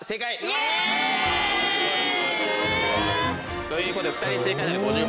イエイ！ということで２人正解なので５０